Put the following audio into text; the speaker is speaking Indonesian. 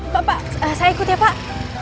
pak pak saya ikut ya pak